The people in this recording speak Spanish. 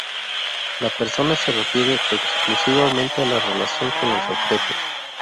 La persona se refiere exclusivamente a la relación con los objetos.